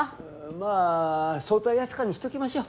まあ早退扱いにしときましょう。